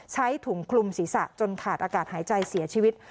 ใช้ถุงคลุมศีรษะจนขาดอากาศหายใจเสียชีวิต